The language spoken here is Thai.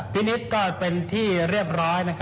นิดก็เป็นที่เรียบร้อย